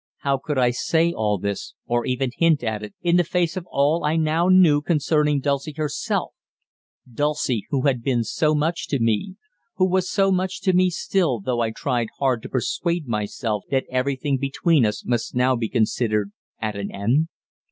How could I say all this, or even hint at it, in the face of all I now knew concerning Dulcie herself, Dulcie who had been so much to me, who was so much to me still though I tried hard to persuade myself that everything between us must now be considered at an end?